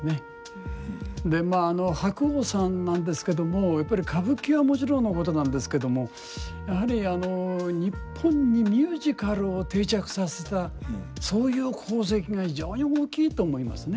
でまあ白鸚さんなんですけどもやっぱり歌舞伎はもちろんのことなんですけどもやはり日本にミュージカルを定着させたそういう功績が非常に大きいと思いますね。